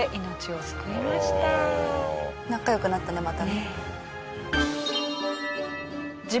仲良くなったねまたね。